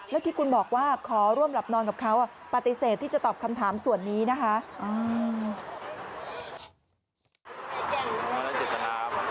แล้วที่คุณบอกว่าขอร่วมหลับนอนกับเขาปฏิเสธที่จะตอบคำถามส่วนนี้นะคะ